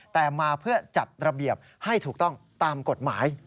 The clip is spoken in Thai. แต่มาเพื่อจัดระเบียบให้ถูกต้องตามกฎหมาย